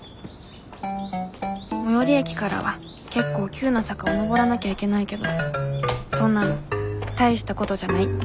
最寄り駅からは結構急な坂を上らなきゃいけないけどそんなの大したことじゃない。